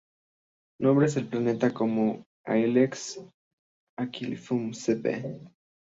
Nombres de plantas como "Ilex aquifolium" cv.